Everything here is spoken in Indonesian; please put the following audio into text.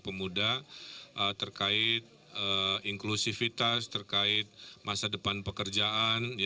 pemuda terkait inklusivitas terkait masa depan pekerjaan